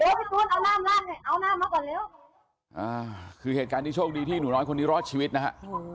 เอานามมาก่อนเร็วคือเหตุการณ์ที่โชคดีที่หนูน้อยคนที่รอดชีวิตนะฮะ